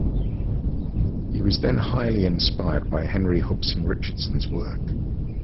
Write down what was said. He was then highly inspired by Henry Hobson Richardson ‘s work.